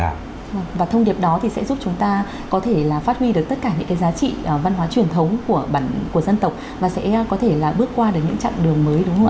và thông điệp đó thì sẽ giúp chúng ta có thể là phát huy được tất cả những cái giá trị văn hóa truyền thống của dân tộc và sẽ có thể là bước qua được những chặng đường mới đúng không ạ